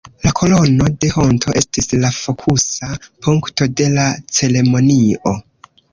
La Kolono de Honto estis la fokusa punkto de la ceremonio.